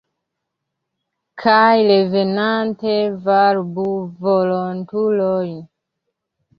Kaj revenante varbu volontulojn!